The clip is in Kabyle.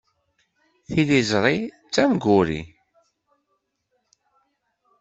Tiliẓri d tamguri.